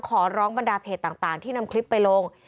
ขอร้องบรรดาเพจต่างที่นำคลิปไปลง